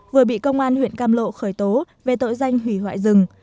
vừa bị công an huyện cam lộ khởi tố về tội danh hủy hoại rừng